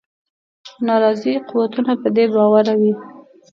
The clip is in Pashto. ناراضي قوتونه په دې باور وه.